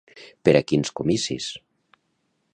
Per a quins comicis?